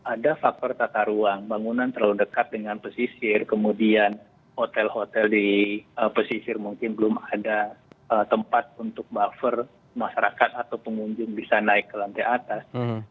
ada faktor tata ruang bangunan terlalu dekat dengan pesisir kemudian hotel hotel di pesisir mungkin belum ada tempat untuk buffer masyarakat atau pengunjung bisa naik ke lantai atas